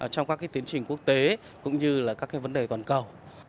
trong các tiến trình quốc tế cũng như là các vấn đề toàn cầu